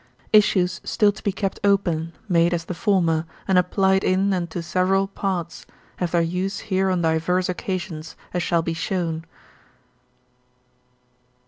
Issues still to be kept open, made as the former, and applied in and to several parts, have their use here on divers occasions, as shall be shown.